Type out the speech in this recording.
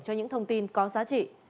cho những thông tin có giá trị